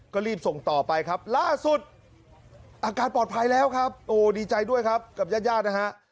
ก็รีบส่งต่อไปครับล่าสุดอาการปลอดภัยแล้วครับโอ้ดีใจด้วยครับกับญาติญาตินะฮะ